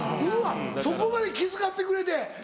うわそこまで気遣ってくれて。